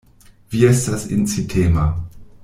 Vi estas incitema.